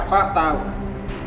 bapak juga harus ikut